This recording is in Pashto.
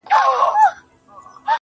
زه هم دا ستا له لاسه,